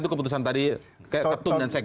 itu keputusan tadi ketum dan sekjen